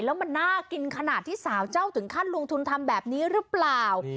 แล้วมันน่ากินขนาดที่สาวเจ้าถึงค่านรูพลุคุณทำแบบนี้รึเปล่า